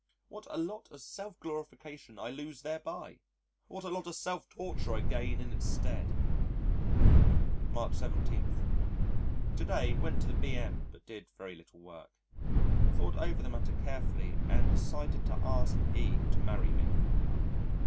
What a lot of self glorification I lose thereby! What a lot of self torture I gain in its stead! March 17. To day went to the B.M. but did very little work. Thought over the matter carefully and decided to ask E to marry me.